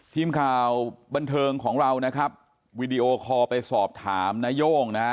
ทีมข่าวบันเทิงของเรานะครับวีดีโอคอลไปสอบถามนาย่งนะฮะ